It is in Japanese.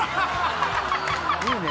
いいね。